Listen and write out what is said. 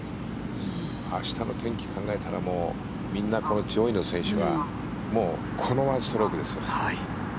明日の天気を考えたらみんなこの上位の選手はもうこの１ストロークですよ。